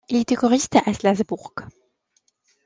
Il était choriste à Salzbourg.